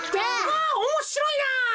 わおもしろいな。